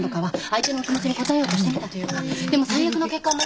相手の気持ちに応えようとしてみたというかでも最悪の結果を招いてしまいまして。